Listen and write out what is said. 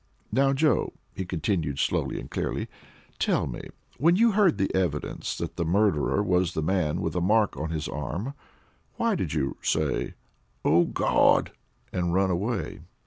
Now, Joe," he continued, slowly and clearly, "tell me, when you heard the evidence that the murderer was the man with a mark on his arm, why did you say, 'Oh, Gawd!' and run away?"